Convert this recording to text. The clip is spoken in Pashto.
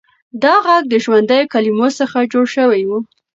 دا غږ د ژوندیو کلمو څخه جوړ شوی و.